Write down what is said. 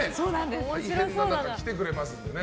大変な中来てくれますから。